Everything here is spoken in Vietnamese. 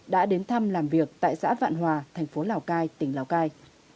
đã đến thăm làm việc tại xã vạn hòa thành phố lào cai tỉnh lào cai